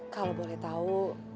kalo boleh tau